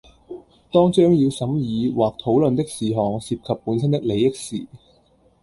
當將要審議或討論的事項涉及本身的利益時